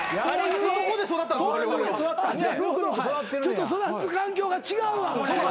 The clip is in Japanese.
ちょっと育つ環境が違うわ。